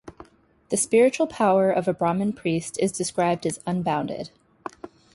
The spiritual power of a Brahman priest is described as unbounded.